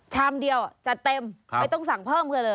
ชามเดียวจัดเต็มไม่ต้องสั่งเพิ่มกันเลย